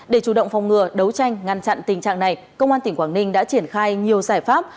để chủ động phòng ngừa đấu tranh ngăn chặn tình trạng này công an tỉnh quảng ninh đã triển khai nhiều giải pháp